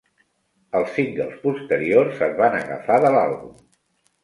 Els singles posteriors es van agafar de l'àlbum.